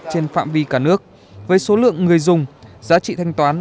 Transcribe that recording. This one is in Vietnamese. trên phạm vi cả nước với số lượng người dùng giá trị thanh toán